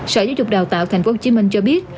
sở giáo dục đào tạo tp hcm cho biết